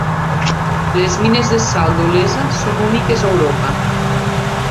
Les mines de sal d'Olesa són úniques a Europa.